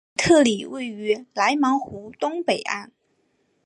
吕特里位于莱芒湖东北岸。